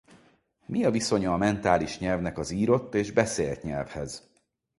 Mi a viszonya a mentális nyelvnek az írott és beszélt nyelvhez?